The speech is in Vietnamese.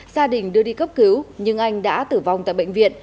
gia đình đưa đi cấp cứu nhưng anh đã tử vong tại bệnh viện